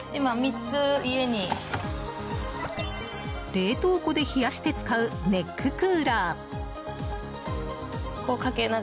冷凍庫で冷やして使うネッククーラー。